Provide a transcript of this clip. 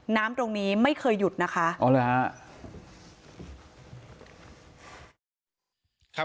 น้ำตรงนี้ไม่เคยหยุดนะคะ